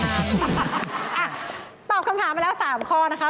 อ่ะตอบคำถามไปแล้ว๓ข้อนะคะ